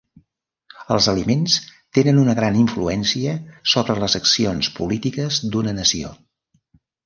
Els aliments tenen una gran influència sobre les accions polítiques d'una nació.